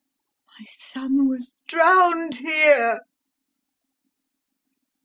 My son was drowned here....